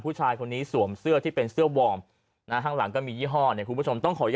ผู้ชายคนนี้สวมเสื้อที่เป็นเสื้อบอร์มห้างหลังก็มียี่ห้อ